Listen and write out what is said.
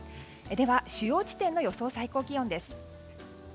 では主要地点の予想最高気温です。